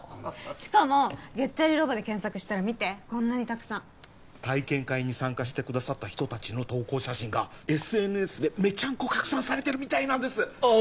しかもゲッチャリロボで検索したら見てこんなにたくさん体験会に参加してくださった人達の投稿写真がＳＮＳでメチャンコ拡散されてるみたいなんですあっ